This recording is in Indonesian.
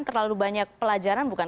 terlalu banyak pelajaran bukan